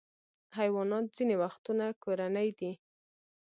حیوانات ځینې وختونه کورني دي.